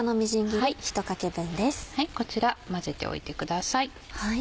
こちら混ぜておいてください。